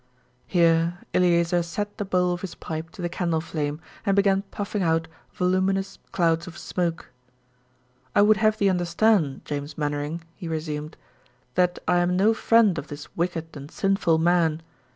Here Eleazer set the bowl of his pipe to the candle flame and began puffing out voluminous clouds of smoke. "I would have thee understand, James Mainwaring," he resumed, "that I am no friend of this wicked and sinful man.